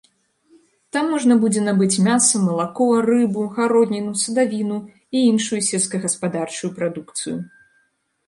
Там можна будзе набыць мяса, малако, рыбу, гародніну, садавіну і іншую сельскагаспадарчую прадукцыю.